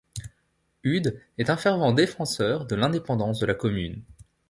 Ude est un fervent défenseur de l'indépendance de la commune.